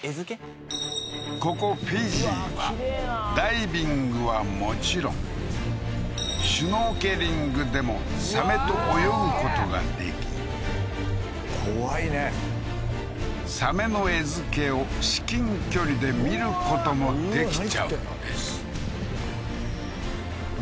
ここフィジーはダイビングはもちろんシュノーケリングでもサメと泳ぐことができ怖いねサメの餌付けを至近距離で見ることもできちゃうんです何？